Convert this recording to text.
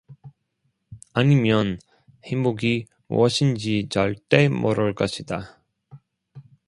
아니면 행복이 무엇인지 절대 모를 것이다.